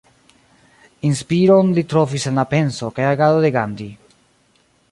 Inspiron li trovis en la penso kaj agado de Gandhi.